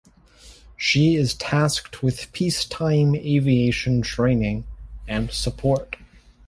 She is tasked with peacetime aviation training and support.